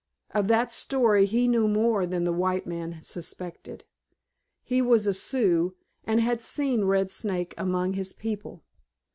Of that story he knew more than the white man suspected. He was a Sioux, and had seen Red Snake among his people.